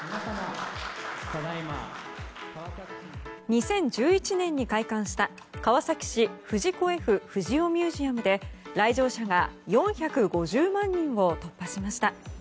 ２０１１年に開館した川崎市藤子・Ｆ・不二雄ミュージアムで来場者が４５０万人を突破しました。